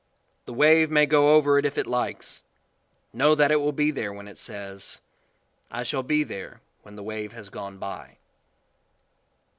The wave may go over it if it likes. Know that it will be there when it says: "I shall be there when the wave has gone by."